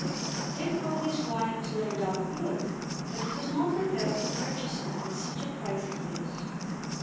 Dick Roby's wine was no doubt good, but he was not prepared to purchase it at such a price as this.